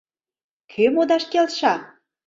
Кӧ модаш келша?